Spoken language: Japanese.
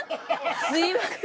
すみません。